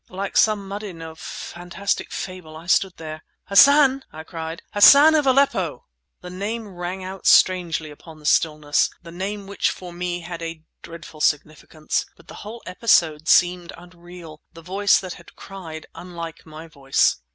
Like some mueddin of fantastic fable I stood there. "Hassan!" I cried—"Hassan of Aleppo!" The name rang out strangely upon the stillness—the name which for me had a dreadful significance; but the whole episode seemed unreal, the voice that had cried unlike my voice.